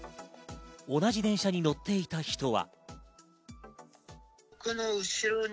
同じ電車に乗っていた人は。